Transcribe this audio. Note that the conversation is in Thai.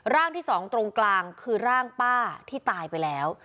ร่างที่สองตรงกลางคือร่างป้าที่ตายไปแล้ว